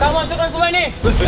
kamu masukkan semua ini